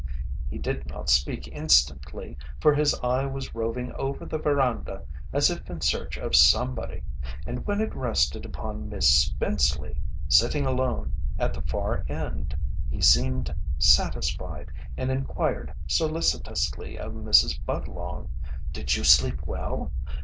He did not speak instantly, for his eye was roving over the veranda as if in search of somebody, and when it rested upon Miss Spenceley sitting alone at the far end he seemed satisfied and inquired solicitously of Mrs. Budlong: "Did you sleep well?